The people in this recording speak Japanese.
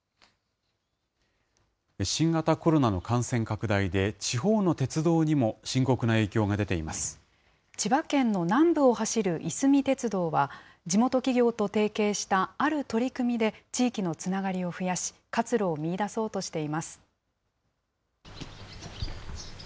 新型コロナの感染拡大で地方の鉄道にも深刻な影響が出ていま千葉県の南部を走るいすみ鉄道は、地元企業と提携したある取り組みで地域のつながりを増やし、活路を見いだそうとしています。